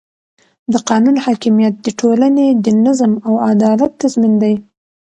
د قانون حاکمیت د ټولنې د نظم او عدالت تضمین دی